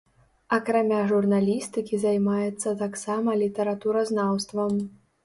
Акрамя журналістыкі займаецца таксама літаратуразнаўствам.